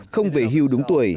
không về hưu đúng tuổi